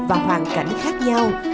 và hoàn cảnh khác nhau